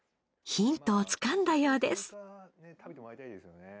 ヒントをつかんだようです。